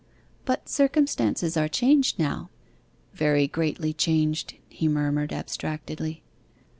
'But circumstances are changed now.' 'Very greatly changed,' he murmured abstractedly.